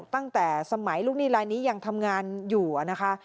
ตั้งแต่สมัยลูกหนี้ลายนี้ยังทำงานอยู่นะคะ